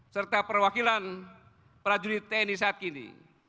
serta perwakilan prajurit tni saat ini